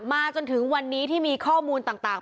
จนถึงวันนี้ที่มีข้อมูลต่าง